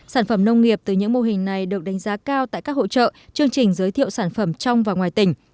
sản phẩm nông nghiệp từ những mô hình này được đánh giá cao tại các hỗ trợ chương trình giới thiệu sản phẩm trong và ngoài tỉnh